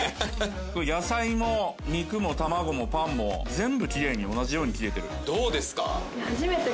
これ野菜も肉も卵もパンも全部キレイに同じように切れてるどうですか？